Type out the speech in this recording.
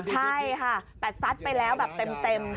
ใช่ค่ะแต่ซัดไปแล้วแบบเต็ม